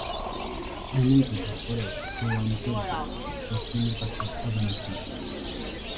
এমনকি তারপরেও এই অঞ্চলটি পশ্চিমের কাছে অজানা ছিল।